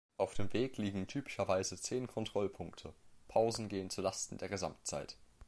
Auf dem Weg liegen typischerweise zehn Kontrollpunkte; Pausen gehen zu Lasten der Gesamtzeit.